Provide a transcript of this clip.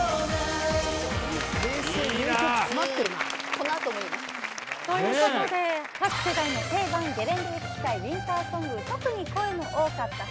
この後もいい。ということで各世代の定番ゲレンデで聴きたいウインターソング特に声の多かった８選